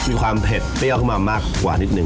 มีความเผ็ดเปรี้ยวขึ้นมามากกว่านิดนึ